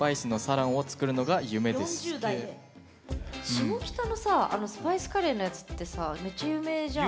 下北のさあのスパイスカレーのやつってめっちゃ有名じゃん。